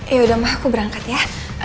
yaudah ma aku berangkat ya